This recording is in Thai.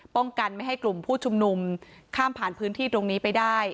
ป้องกันไม่ให้กลุ่มผู้ชุมนุมข้ามผ่านพื้นที่ตรงนี้ไปได้